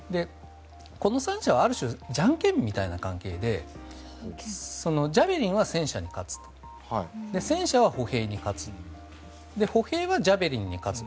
この３者は、ある種じゃんけんみたいな関係でジャベリンは戦車に勝つ戦車は歩兵に勝つ歩兵はジャベリンに勝つ。